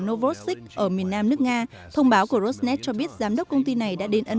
novosik ở miền nam nước nga thông báo của rosnet cho biết giám đốc công ty này đã đến ấn